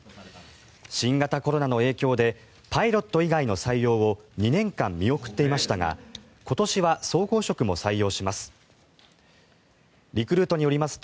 新型コロナの影響でパイロット以外の採用を２年間見送っていましたが今年は総合職も採用します。